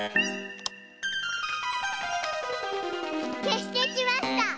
けしてきました。